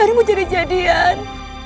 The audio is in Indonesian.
hari ini aku jadi jadian